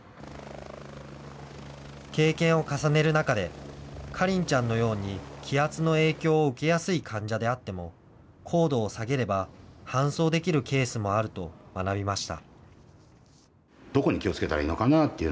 経験を重ねる中で、花梨ちゃんのように気圧の影響を受けやすい患者であっても、高度を下げれば搬送できるケースもあると学びました。